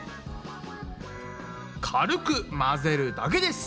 軽く混ぜるだけです。